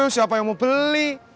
siapa yang mau beli